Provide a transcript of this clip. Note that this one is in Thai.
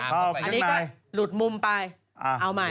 คุณพระนี่ล่ะแล้วท่าน